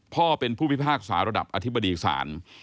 พ่อเป็นผู้พิพากษาระดับอธิบดีศาล